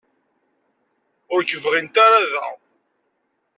Ur k-bɣint ara da.